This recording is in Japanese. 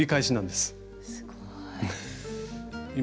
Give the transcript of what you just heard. すごい。